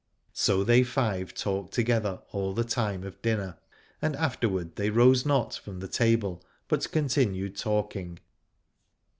So they five talked together all the time of dinner, and afterward they rose not from the table but continued talking.